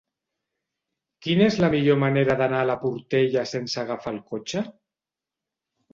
Quina és la millor manera d'anar a la Portella sense agafar el cotxe?